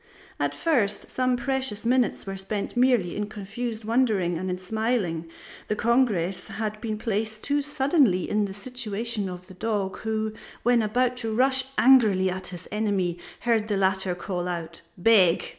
At first some precious minutes were spent merely in confused wondering and in smiling; the congress had been placed too suddenly in the situation of the dog who, when about to rush angrily at his enemy, heard the latter call out: Beg!